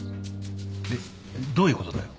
えっ？どういうことだよ？